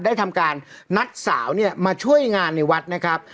ได้ทำการนัดสาวเนี่ยมาช่วยงานในวัดนะครับ